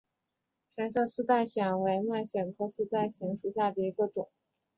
橙色丝带藓为蔓藓科丝带藓属下的一个种。